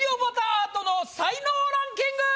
アートの才能ランキング！